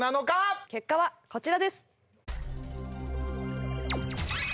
結果はこちらです。